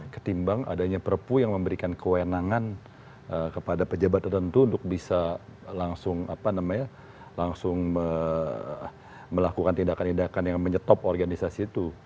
ketimbang adanya perpu yang memberikan kewenangan kepada pejabat tertentu untuk bisa langsung melakukan tindakan tindakan yang menyetop organisasi itu